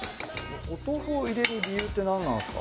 お豆腐を入れる理由って何なんですか？